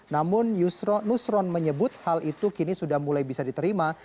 namun nusron menyebut hal itu kini sudah mulai bisa diterima